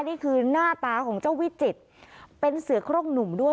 นี่คือหน้าตาของเจ้าวิจิตรเป็นเสือโครงหนุ่มด้วย